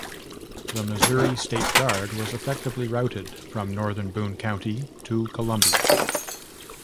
The Missouri State Guard was effectively routed from northern Boone county to Columbia.